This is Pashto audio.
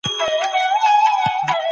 د فقر عوامل بايد پيدا سي.